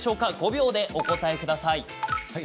５秒で、お答えください。